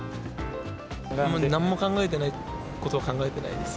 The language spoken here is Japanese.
なんも考えてないことは考えてないです。